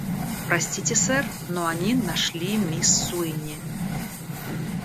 Простите, сэр, но они нашли мисс Суини.